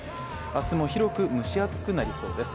明日も広く蒸し暑くなりそうです。